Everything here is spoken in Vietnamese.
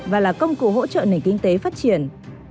và là công cụ hỗ trợ nền kinh tế phát triển